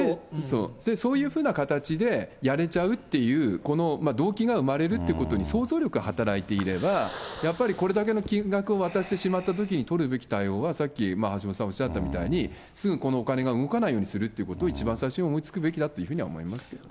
そういうふうな形でやれちゃうっていう、この動機が生まれるということに、想像力が働いていれば、やっぱり、これだけの金額を渡してしまったときに取るべき対応は、さっき、橋下さんおっしゃったみたいに、すぐこのお金が動かないようにするということを、一番最初に思いつくべきだって思いますけどね。